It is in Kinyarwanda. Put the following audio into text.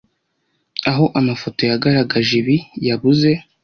aho amafoto yagaragaje ibi yabuze